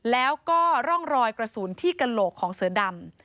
แล้วก็ร่องรอยกระสุนที่กระโหลกของเสือดำ